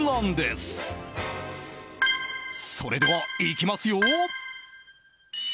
［それではいきますよ］